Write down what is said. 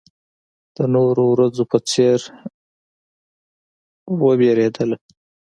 د نورو ورځو په څېر وېرېدله.